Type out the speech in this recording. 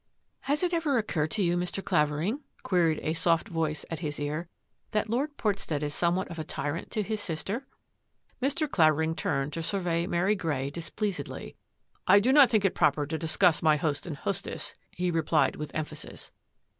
" Has it ever occurred to you, Mr. Clavering," queried a soft voice at his ear, " that Lord Port stead is somewhat of a tyrant to his sister? " Mr. Clavering turned to survey Mary Grey dis pleasedly. " I do not think it proper to discuss my host and hostess," he replied with emphasis.